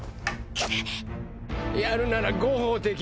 やるなら合法的に。